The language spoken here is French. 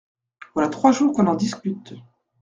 Voilà trois jours qu’on en discute.